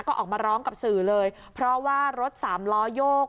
ก็ออกมาร้องกับสื่อเลยเพราะว่ารถสามล้อโยก